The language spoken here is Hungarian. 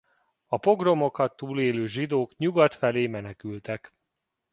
A pogromokat túlélő zsidók nyugat felé menekültek.